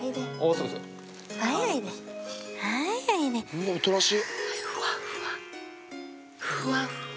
うわおとなしい。